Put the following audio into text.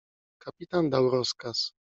Kapitan dał rozkaz.